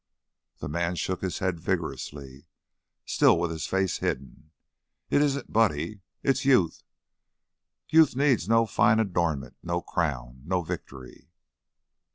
The man shook his head vigorously, still with his face hidden. "It isn't Buddy. It's youth. Youth needs no fine adornment, no crown, no victory."